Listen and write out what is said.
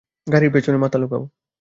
গাড়ির পেছনে লুকাও।